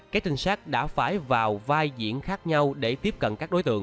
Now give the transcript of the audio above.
cái trình sát đã phải vào vai diễn khác nhau để tiếp cận các đối tượng